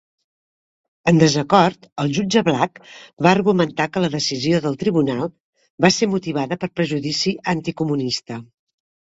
En desacord, el Jutge Black va argumentar que la decisió del Tribunal va ser motivada per prejudici anticomunista.